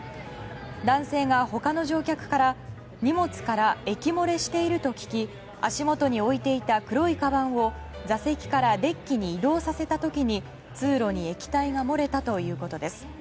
男性が他の乗客から荷物から液漏れしていると聞き足元に置いていた黒いかばんを座席からデッキに移動させた時に通路に液体が漏れたということです。